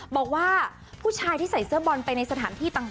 บอกว่าผู้ชายที่ใส่เสื้อบอลไปในสถานที่ต่าง